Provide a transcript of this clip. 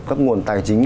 các nguồn tài chính